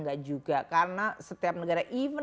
enggak juga karena setiap negara even